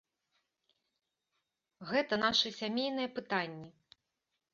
Гэта нашы сямейныя пытанні.